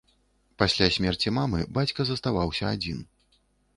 Пасля смерці мамы бацька заставаўся адзін.